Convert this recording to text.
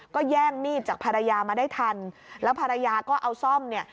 ก็แย่งมีดจากภรรยามาได้ทันแล้วภรรยาก็เอาซ่อมเนี่ย